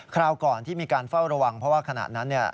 คราวก่อนที่มีการเฝ้าระวังเพราะว่าขณะนั้น